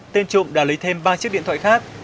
tên trộm đã lấy thêm ba chiếc điện thoại khác